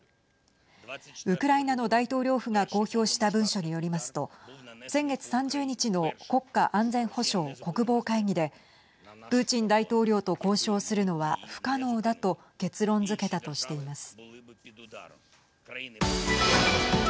ウクライナの大統領府が公表した文書によりますと先月３０日の国家安全保障・国防会議でプーチン大統領と交渉するのは不可能だと結論づけたとしています。